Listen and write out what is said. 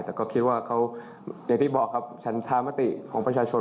แต่ก็คิดว่าเขาอย่างที่บอกครับฉันธามติของประชาชน